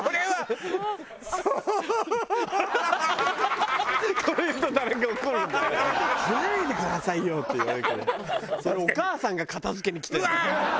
はい。